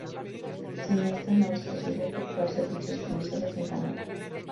Sin esta, no es posible efectuar servicios comerciales en Canadá.